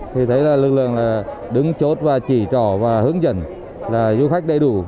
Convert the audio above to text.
thì thấy là lực lượng đứng chốt và chỉ trò và hướng dẫn là du khách đầy đủ